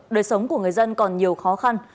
đời sống của người dân còn nhiều khó khăn